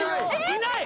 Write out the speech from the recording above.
いない！